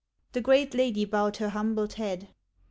The great lady bowed her humbled head.